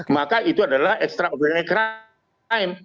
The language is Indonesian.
maka itu adalah ekstra adrenaline crime